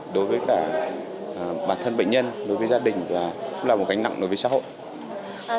đối với cả bản thân bệnh nhân đối với gia đình và cũng là một cánh nặng đối với xã hội